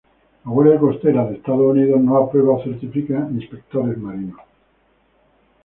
La Guardia Costera de Estados Unidos, no aprueba o certifica Inspectores Marinos.